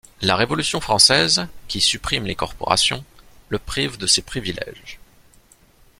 La Révolution française, qui supprime les corporations, le prive de ses privilèges.